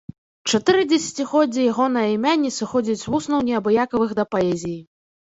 Чатыры дзесяцігоддзі ягонае імя не сыходзіць з вуснаў неабыякавых да паэзіі.